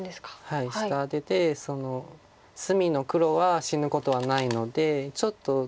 はい下アテて隅の黒が死ぬことはないのでちょっと。